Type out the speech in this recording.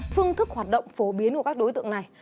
phương thức hoạt động phổ biến của các đối tượng này